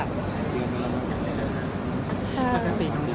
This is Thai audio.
ประกาศเป็นที่ก้าวเป็นคนช่วยครอบครัวอย่างไรบ้าง